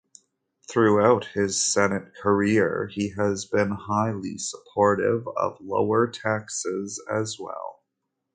Throughout his Senate career he has been highly supportive of lower taxes as well.